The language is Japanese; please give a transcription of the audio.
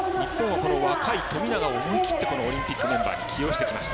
この若い富永も思い切ってオリンピックメンバーに起用してきました